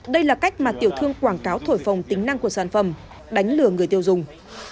đây là cách mà tiểu thương quảng cáo thổi phòng tính năng của sản phẩm đánh lừa người tiêu dùng